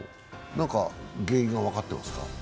何か原因が分かってますか？